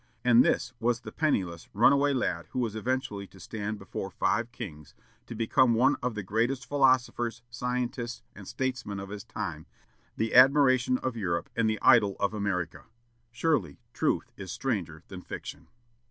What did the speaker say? And this was the penniless, runaway lad who was eventually to stand before five kings, to become one of the greatest philosophers, scientists, and statesmen of his time, the admiration of Europe and the idol of America. Surely, truth is stranger than fiction.